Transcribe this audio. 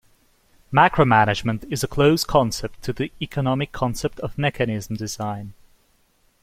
Macromanagement is a close concept to the economic concept of mechanism design.